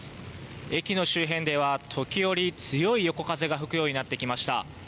駅の周辺では時折、強い横風が吹くようになってきました。